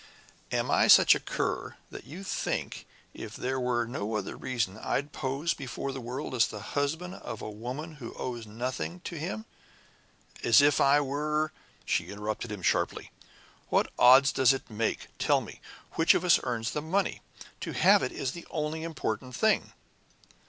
Am I such a cur that you think, if there were no other reason, I'd pose before the world as the husband of a woman who owes nothing to him as if I were " She interrupted him sharply. "What odds does it make tell me that which of us earns the money? To have it is the only important thing!"